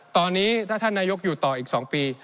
ตอนนี้ถ้าท่านนายกอยู่ต่ออีก๒ปี